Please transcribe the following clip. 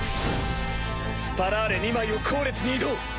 スパラーレ２枚を後列に移動！